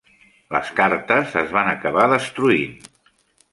Les cartes es van acabar destruint.